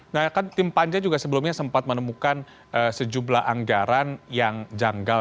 nah kan tim panja juga sebelumnya sempat menemukan sejumlah anggaran yang janggal